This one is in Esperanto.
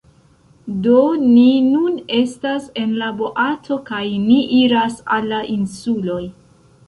Do, ni nun estas en la boato kaj ni iras al la insuloj